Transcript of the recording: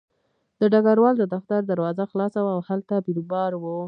د ډګروال د دفتر دروازه خلاصه وه او هلته بیروبار و